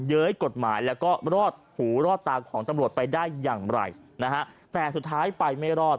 เย้ยกฎหมายแล้วก็รอดหูรอดตาของตำรวจไปได้อย่างไรนะฮะแต่สุดท้ายไปไม่รอด